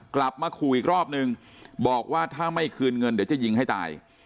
กลับมาขู่อีกรอบนึงบอกว่าถ้าไม่คืนเงินเดี๋ยวจะยิงให้ตาย